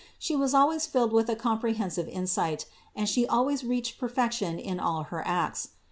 She was always filled with a comprehensive insight and She always reached perfection in all her acts.